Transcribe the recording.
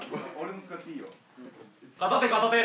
片手片手！